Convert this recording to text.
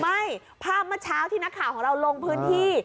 ไม่ภาพเมื่อเช้าที่นักข่าวของเราลงพื้นที่